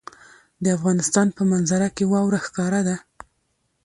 د افغانستان په منظره کې واوره ښکاره ده.